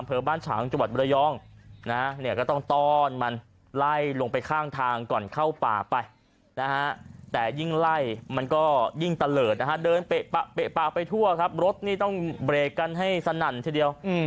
บ้านฉางจังหวัดมรยองนะเนี่ยก็ต้องต้อนมันไล่ลงไปข้างทางก่อนเข้าป่าไปนะฮะแต่ยิ่งไล่มันก็ยิ่งตะเลิศนะฮะเดินเปะปากไปทั่วครับรถนี่ต้องเบรกกันให้สนั่นทีเดียว